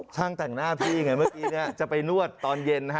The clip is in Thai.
ช่างจากหน้าพี่เหมือนเมื่อกี้เนี้ยจะไปนวดตอนเย็นนะฮะ